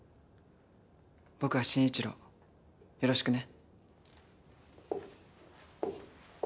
僕は慎一郎よろしくね。